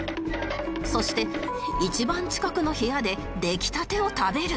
そして一番近くの部屋で出来たてを食べる